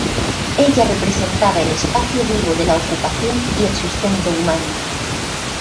Ella representaba el espacio vivo de la ocupación y el sustento humano.